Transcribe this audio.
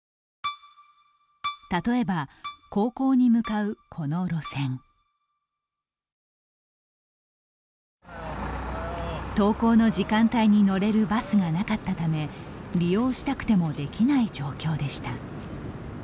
例えば、高校に向かうこの路線登校の時間帯に乗れるバスがなかったため利用したくてもできない状況でした。